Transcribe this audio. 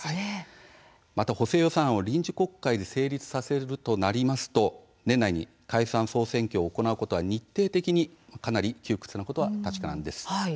また補正予算を臨時国会で成立させるとなりますと年内に解散総選挙を行うことは日程的に、かなり窮屈なことは確かなんです。